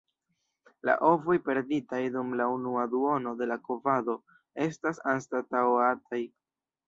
La ovoj perditaj dum la unua duono de la kovado estas anstataŭataj.